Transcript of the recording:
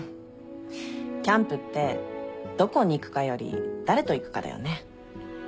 キャンプってどこに行くかより誰と行くかだよね